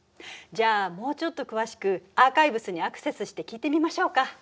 じゃあもうちょっと詳しくアーカイブスにアクセスして聞いてみましょうか。